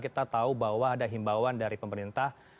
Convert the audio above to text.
kita tahu bahwa ada himbauan dari pemerintah